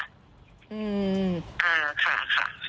อ่าค่ะค่ะ